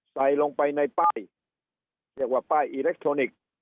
ใส่ลงไปในป้ายเรียกว่าป้ายอิเล็กทรอนิกส์